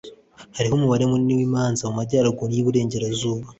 hariho umubare munini w'imanza mu majyaruguru y'iburengerazuba